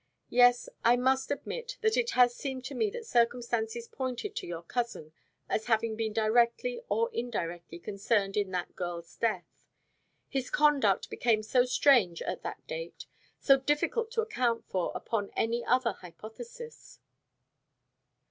Yes, I must admit that it has seemed to me that circumstances pointed to your cousin, as having been directly or indirectly concerned in that girl's death. His conduct became so strange at that date so difficult to account for upon any other hypothesis."